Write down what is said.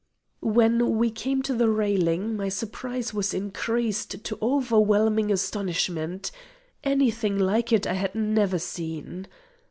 When we came to the railing, my surprise was increased to overwhelming astonishment; any thing like it I had never seen.